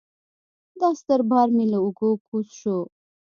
دا ستر بار مې له اوږو کوز شو.